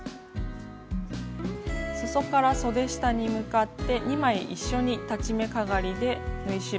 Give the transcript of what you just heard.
すそからそで下に向かって２枚一緒に裁ち目かがりで縫い代を縫います。